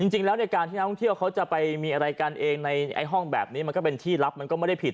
ในการที่นักท่องเที่ยวเขาจะไปมีอะไรกันเองในห้องแบบนี้มันก็เป็นที่รับมันก็ไม่ได้ผิด